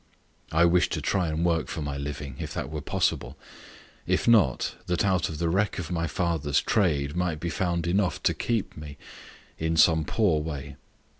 I wished to try and work for my living, if that were possible if not, that out of the wreck of my father's trade might be found enough to keep me, in some poor way.